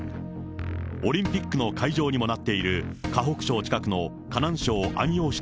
オリンピックの会場にもなっている、河北省近くの河南省安陽